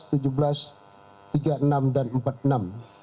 kemudian gigi yang hilang gigi enam belas